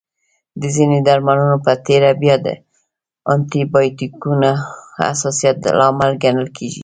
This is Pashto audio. د ځینو درملنو په تېره بیا د انټي بایوټیکونو حساسیت لامل ګڼل کېږي.